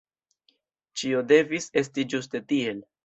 Ĉio devis esti ĝuste tiel.